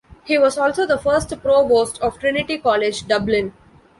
He was also the first Provost of Trinity College, Dublin.